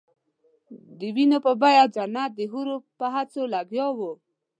د وینو په بیه جنت د حورو په هڅو لګیا وو.